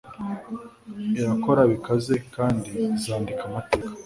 Irakora bikaze kandi izandika amateka